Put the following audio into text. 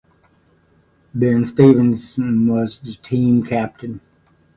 Ben Stevenson was the team captain.